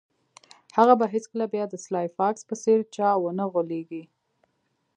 هغه به هیڅکله بیا د سلای فاکس په څیر چا ونه غولیږي